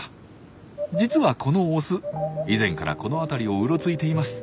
実はこのオス以前からこの辺りをうろついています。